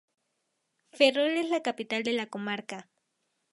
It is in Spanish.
Ferrol es la capital de la comarca.